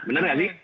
bener nggak sih